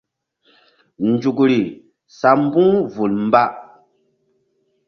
Nzukri sa mbu̧h vul mba.